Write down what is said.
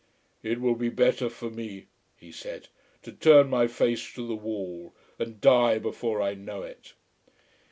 "It will be better for me," he said, "to turn my face to the wall and die before I know it."